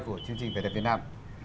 của chương trình về đẹp việt nam